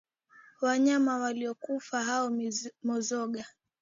Wanyama waliokufa au Mizoga